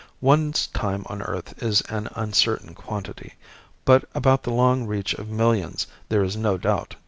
One's time on earth is an uncertain quantity, but about the long reach of millions there is no doubt.